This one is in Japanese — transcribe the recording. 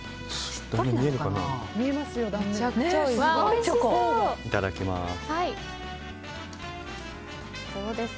いただきます。